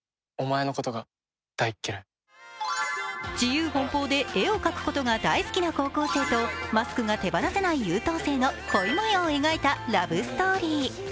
自由奔放で絵を描くことが大好きな高校生とマスクが手放せない優等生の恋もようを描いたラブストーリー。